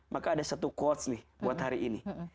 maka ada satu quotes nih buat hari ini